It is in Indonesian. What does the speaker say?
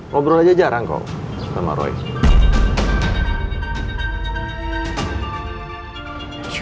ngobrol aja jarang kok sama royce